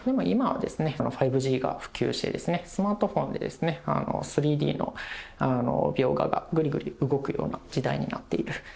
今は５Ｇが普及して、スマートフォンで３Ｄの描画がぐりぐり動くような時代になっている。